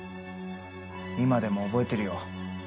今でも覚えてるよ。